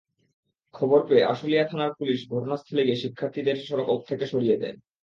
খবর পেয়ে আশুলিয়া থানার পুলিশ ঘটনাস্থলে গিয়ে শিক্ষার্থীদের সড়ক থেকে সরিয়ে দেয়।